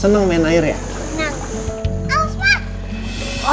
seneng main air ya